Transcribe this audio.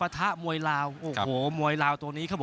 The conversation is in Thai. สวัสดีครับ